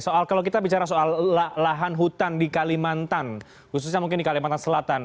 soal kalau kita bicara soal lahan hutan di kalimantan khususnya mungkin di kalimantan selatan